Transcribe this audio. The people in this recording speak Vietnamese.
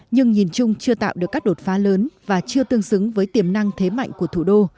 nhưng nhìn chung chưa tạo được các đột phá lớn và chưa tương xứng với tiềm năng thế mạnh của thủ đô